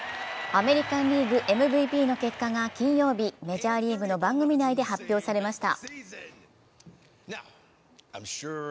アメリカンリーグＭＶＰの結果が金曜日、メジャーリーグの番組内で発表されました。